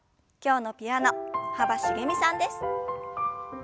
今日のピアノ幅しげみさんです。